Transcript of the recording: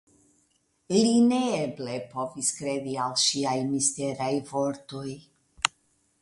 Li neeble povis kredi al ŝiaj misteraj vortoj.